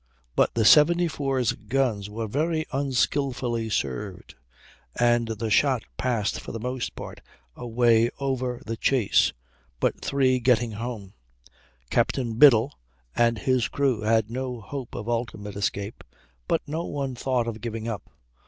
But the 74's guns were very unskilfully served, and the shot passed for the most part away over the chase, but three getting home. Captain Biddle and his crew had no hope of ultimate escape, but no one thought of giving up.